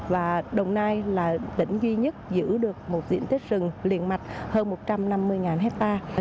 và đồng nai là tỉnh duy nhất giữ được một diện tích rừng liền mạch hơn một trăm năm mươi hectare